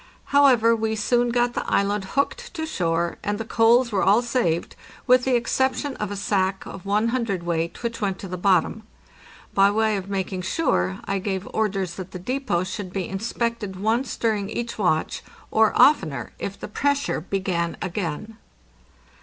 However, we soon got the island hooked to shore, and the coals were all saved, with the exception of a sack of one hundredweight, which went to the bottom. By way of making sure, I gave orders that the depot should be inspected once during each watch, or oftener if the pressure began again.